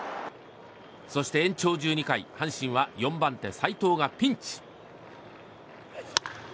そして、延長１２回阪神は４番手、齋藤がピンチ。